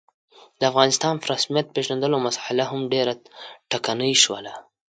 د افغانستان په رسمیت پېژندلو مسعله هم ډېره ټکنۍ شوله.